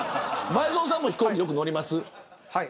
前園さんも飛行機、乗ります。